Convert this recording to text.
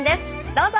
どうぞ。